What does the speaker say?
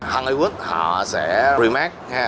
hollywood họ sẽ remade họ sẽ hợp tác